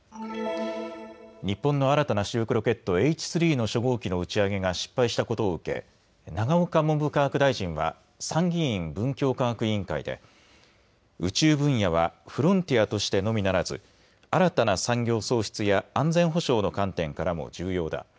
日本の新たな主力ロケット、Ｈ３の初号機の打ち上げが失敗したことを受け永岡文部科学大臣は参議院文教科学委員会で宇宙分野はフロンティアとしてのみならず新たな産業創出や安全保障の観点からも重要だ。